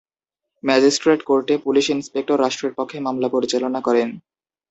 Magistrate কোর্টে police inspector রাষ্ট্রের পক্ষে মামলা পরিচালনা করেন।